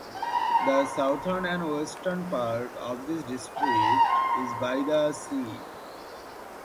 The southern and western part of the district is by the sea.